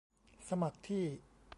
สมัครที่